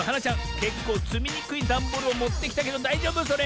けっこうつみにくいダンボールをもってきたけどだいじょうぶそれ？